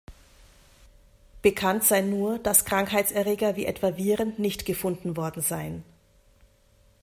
Bekannt sei nur, dass Krankheitserreger wie etwa Viren nicht gefunden worden seien.